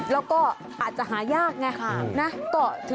แล้วก็อาจจะหายากไงนะ